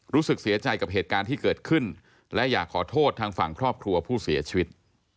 รู้สึกเสียใจกับเหตุการณ์ที่เกิดขึ้นและอยากขอโทษทางฝั่งครอบครัวผู้เสียชีวิต